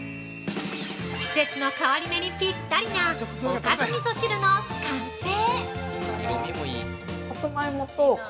◆季節の変わり目にぴったりなおかずみそ汁の完成。